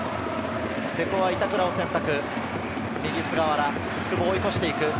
瀬古は板倉を選択。